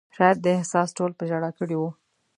شاید دا احساس ټول په ژړا کړي وو.